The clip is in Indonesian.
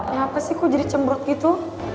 kenapa sih kok jadi cembrut gitu